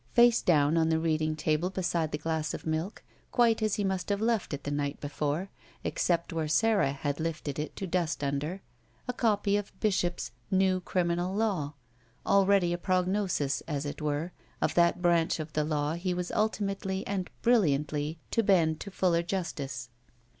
Face down on the reading table beside the glass of milk, quite as he must have left it the night before, except where Sara had lifted it to dust tmder, a copy of Bishop's New Criminal Law, already a prognosis, as it were, of that branch of the law he was ultimately and brilliantly to bend to fuller justice.